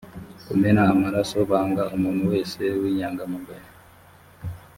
kumena amaraso banga umuntu wese w inyangamugayo